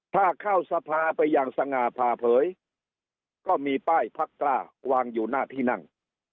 ถ้าเข้าสภาไปอย่างสง่าผ่าเผยก็มีป้ายพักกล้าวางอยู่หน้าที่นั่ง